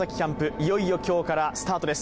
いよいよ今日からスタートです。